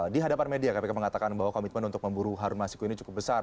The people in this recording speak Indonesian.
di hadapan media kpk mengatakan bahwa komitmen untuk memburu harun masiku ini cukup besar